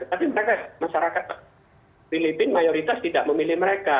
tapi mereka masyarakat filipina mayoritas tidak memilih mereka